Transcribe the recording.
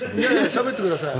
しゃべってください。